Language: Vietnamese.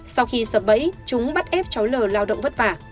sau khi sập bẫy chúng bắt ép cháu lờ lao động vất vả